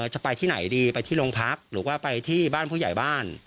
จะไปที่ไหนดีไปที่โรงพักหรือว่าไปที่บ้านผู้ใหญ่บ้าน